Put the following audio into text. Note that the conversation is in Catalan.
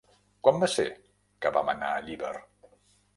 Quan va ser que vam anar a Llíber?